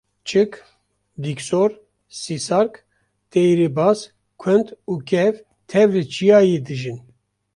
çik, dîksor, sîsark, teyrê baz, kund û kew tev li çiyayê dijîn